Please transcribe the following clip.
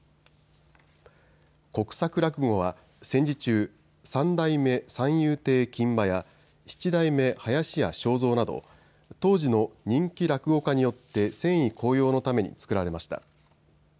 国策落語は戦時中、三代目三遊亭金馬や七代目林家正蔵など当時の人気落語家によって戦意高揚のために作られました。